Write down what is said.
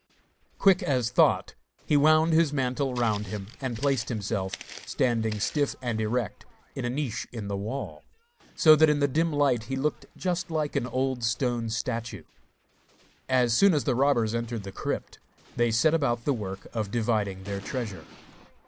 Quick as thought he wound his mantle round him and placed himself, standing stiff and erect, in a niche in the wall, so that in the dim light he looked just like an old stone statue. As soon as the robbers entered the crypt, they set about the work of dividing their treasure.